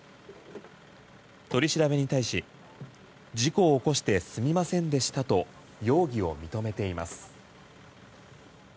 取り調べに対し、事故を起こしてすみませんでしたと容疑を認めています。